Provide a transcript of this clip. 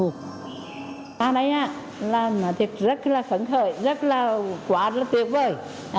ra đây là thật rất là phấn khởi rất là quá tuyệt vời